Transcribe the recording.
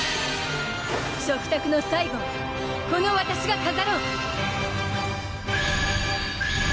食卓の最後をこのわたしが飾ろう！